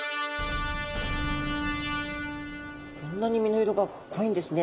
こんなに身の色が濃いんですね。